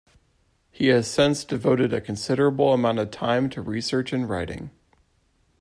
He has since devoted a considerable amount of time to research and writing.